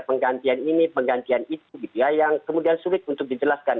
penggantian ini penggantian itu gitu ya yang kemudian sulit untuk dijelaskan